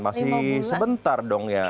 masih sebentar dong ya